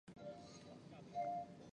锡金现为印度人口最少的邦。